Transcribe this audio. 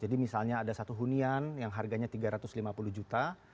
jadi misalnya ada satu hunian yang harganya tiga ratus lima puluh juta